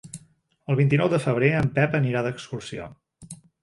El vint-i-nou de febrer en Pep anirà d'excursió.